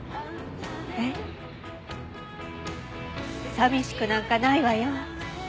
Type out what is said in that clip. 寂しくなんかないわよ。